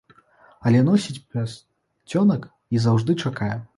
Але носіць пярсцёнак і заўжды чакае.